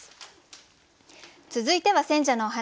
続いては選者のお話。